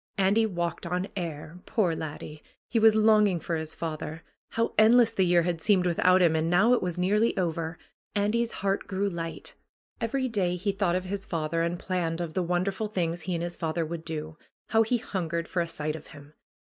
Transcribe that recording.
Andy walked on air. Poor laddie ! He was longing for his father. How endless the year had seemed without him! And now it was nearly over. Andy's heart grew light. Every day he 30 ANDY'S VISION thought of his father and planned of the wonderful things he and his father would do. How he hungered for a sight of him